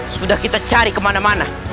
sudah kita cari kemana mana